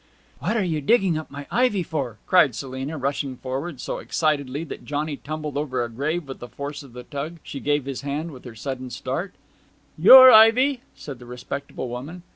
'What are you digging up my ivy for!' cried Selina, rushing forward so excitedly that Johnny tumbled over a grave with the force of the tug she gave his hand in her sudden start. 'Your ivy?' said the respectable woman.